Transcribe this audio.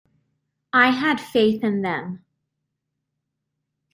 I had faith in them.